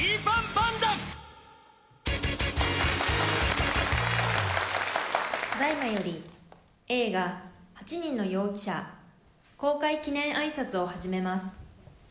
ただいまより映画８人の容疑者公開記念あいさつを始めます。